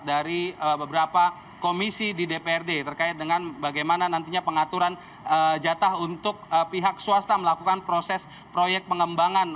dari beberapa komisi di dprd terkait dengan bagaimana nantinya pengaturan jatah untuk pihak swasta melakukan proses proyek pengembangan